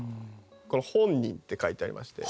これ「本人」って書いてありまして。